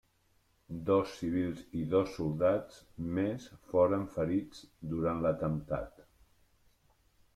Dos civils i dos soldats més foren ferits durant l'atemptat.